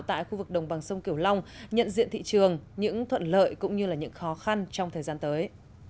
tại khu vực đồng bằng sông kiểu long nhận diện thị trường những thuận lợi cũng như những khó khăn trong thời gian tới